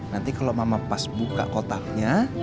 nanti kalau mama pas buka kotaknya